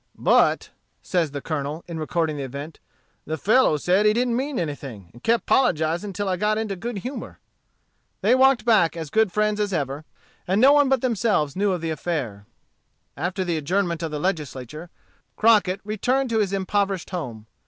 "But," says the Colonel, in recording the event, "the fellow said he didn't mean anything, and kept 'pologizing till I got into good humor." They walked back as good friends as ever, and no one but themselves knew of the affair. After the adjournment of the Legislature, Crockett returned to his impoverished home.